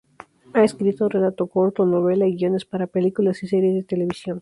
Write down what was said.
Ha escrito relato corto, novela y guiones para películas y series de televisión.